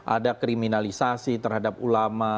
ada kriminalisasi terhadap ulama